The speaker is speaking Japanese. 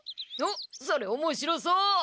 おっそれおもしろそう！